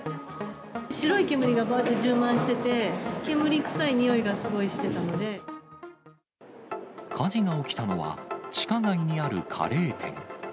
白い煙がばーっと充満してて、火事が起きたのは、地下街にあるカレー店。